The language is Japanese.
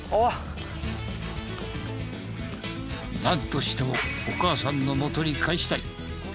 なんとしてもお母さんの元に帰したい！